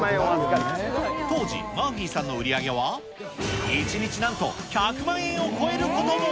当時、マーフィーさんの売り上げは、１日なんと１００万円を超えることも。